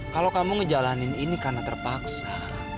kalau kamu ngejalanin ini karena terpaksa